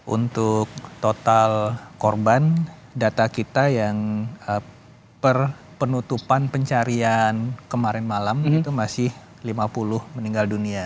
untuk total korban data kita yang per penutupan pencarian kemarin malam itu masih lima puluh meninggal dunia